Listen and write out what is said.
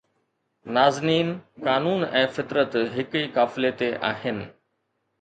نازنين قانون ۽ فطرت هڪ ئي قافلي تي آهن